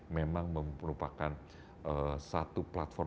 memang merupakan satu platform